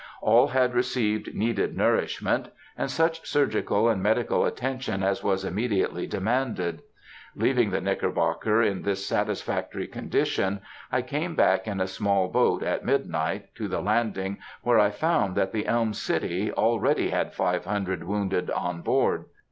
All had received needed nourishment, and such surgical and medical attention as was immediately demanded. Leaving the Knickerbocker in this satisfactory condition, I came back in a small boat, at midnight, to the landing, where I found that the Elm City already had five hundred wounded on board.